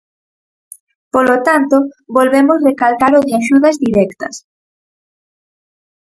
Polo tanto, volvemos recalcar o de axudas directas.